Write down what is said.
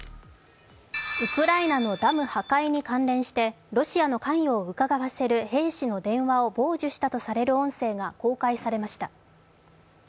ウクライナのダム破壊に関連してロシアの関与をうかがわせる兵士の声を傍受したとされる音声が公開されました。